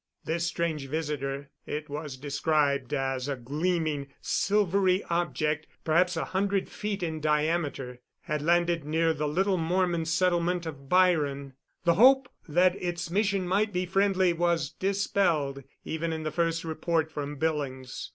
This strange visitor it was described as a gleaming, silvery object perhaps a hundred feet in diameter had landed near the little Mormon settlement of Byron. The hope that its mission might be friendly was dispelled even in the first report from Billings.